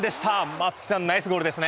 松木さん、ナイスゴールですね。